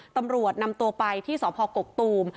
ตำรวจนำตัวไปที่สพกกตูม